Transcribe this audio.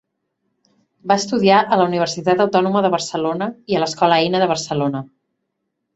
Va estudiar a la Universitat Autònoma de Barcelona i a l'Escola Eina de Barcelona.